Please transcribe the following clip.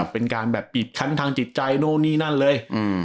เป็นเกิดขั้นทางจิตใจโนนี่นั่นเลย